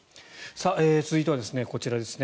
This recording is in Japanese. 続いてはこちらですね。